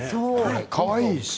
かわいいし。